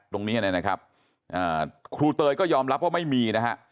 ตรงนี้นะครับครูเตยก็ยอมรับว่าไม่มีนะฮะ